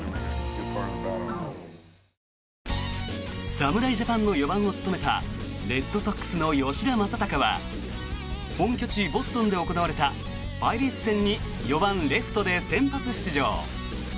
侍ジャパンの４番を務めたレッドソックスの吉田正尚は本拠地ボストンで行われたパイレーツ戦に４番レフトで先発出場。